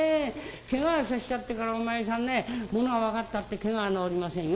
けがさせちゃってからお前さんねものが分かったってけがは治りませんよ。